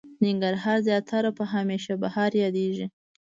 ننګرهار زياتره په هميشه بهار ياديږي.